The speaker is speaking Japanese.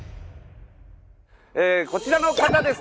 こちらの方です。